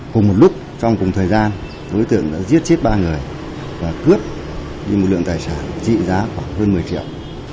cùng một lúc trong cùng thời gian đối tượng đã giết chết ba người và cướp đi một lượng tài sản trị giá khoảng hơn một mươi triệu